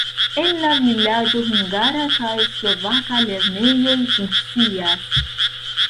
En la vilaĝo hungara kaj slovaka lernejoj funkcias.